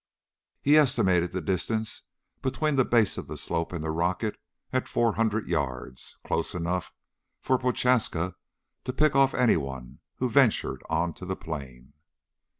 He estimated the distance between the base of the slope and the rocket at 400 yards close enough for Prochaska to pick off anyone who ventured onto the plain.